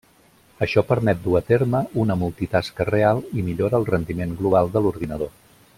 Això permet dur a terme una multitasca real i millora el rendiment global de l'ordinador.